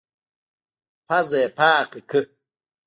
پزه يې پاکه کړه.